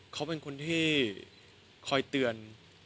เขาเป็นคนที่คอยเตือน